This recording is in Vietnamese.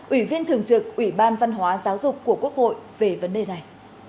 ủy viên thường trực ủy ban văn hóa giáo dục của quốc hội về vấn đề này